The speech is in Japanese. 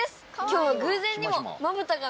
今日は偶然にも。